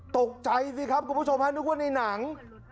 ตกใจสิครับคุณผู้ชมฮะนึกว่าในหนัง